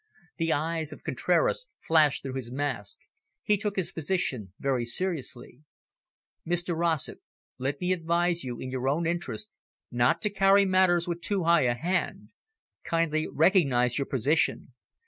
The eyes of Contraras flashed through his mask. He took his position very seriously. "Mr Rossett, let me advise you, in your own interests, not to carry matters with too high a hand. Kindly recognise your position.